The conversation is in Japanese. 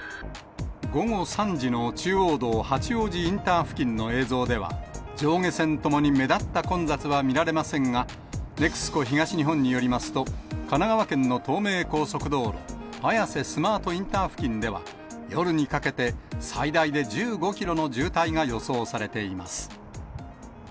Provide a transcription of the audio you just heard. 午後３時の中央道八王子インター付近の映像では、上下線ともに目立った混雑は見られませんが、ＮＥＸＣＯ東日本によりますと、神奈川県の東名高速道路綾瀬スマートインター付近では、夜にかけて最大で１５キロの渋滞が予想されています。